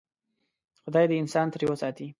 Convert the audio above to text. خدای دې انسان ترې وساتي.